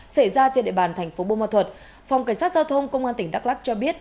xảy ra trên địa bàn thành phố bô ma thuật phòng cảnh sát giao thông công an tỉnh đắk lắc cho biết